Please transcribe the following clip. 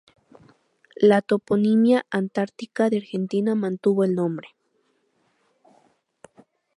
La toponimia antártica de Argentina mantuvo el nombre.